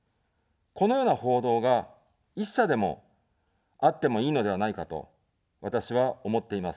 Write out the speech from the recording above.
このような報道が１社でもあってもいいのではないかと、私は思っています。